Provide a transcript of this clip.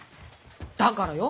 だからよ。